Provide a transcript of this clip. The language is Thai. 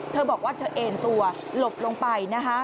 เธอบอกว่าเธอเองตัวหลบลงไป